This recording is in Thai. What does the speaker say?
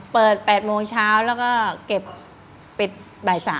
เปิด๘โมงเช้าแล้วก็เก็บปิดบ่าย๓